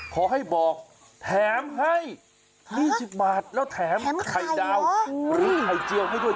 ขอให้บอกแถมให้๒๐บาทแล้วแถมไข่ดาวหรือไข่เจียวให้ด้วย